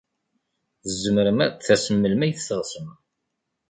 Tzemrem ad d-tasem melmi ay teɣsem.